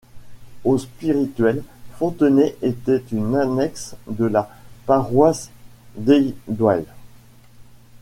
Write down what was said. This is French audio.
Au spirituel, Fontenay était une annexe de la paroisse d’Aydoilles.